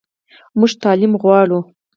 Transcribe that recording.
موږ تعلیم غواړو